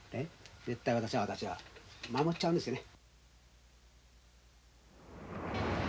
絶対私は守っちゃうんですね。